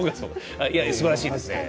いや、すばらしいですね。